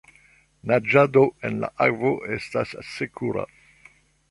Naĝado en la akvo estas sekura.